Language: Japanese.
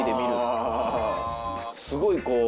すごいこう。